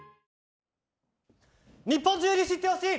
日本中に知って欲しい！